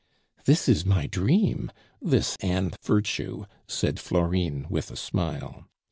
"This is my dream! This and virtue!" said Florine with a smile.